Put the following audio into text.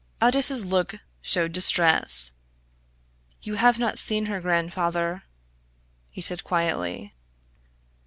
Aldous's look showed distress. "You have not seen her, grandfather," he said quietly.